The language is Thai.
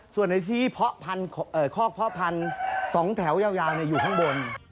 ส่วนในที่คอกเพาะพันธุ์๒แถวยาวอยู่ข้างบน